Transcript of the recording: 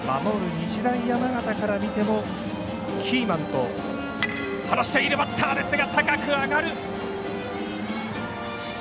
日大山形から見てもキーマンと話しているバッターですが。